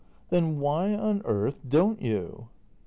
Then why on earth don't you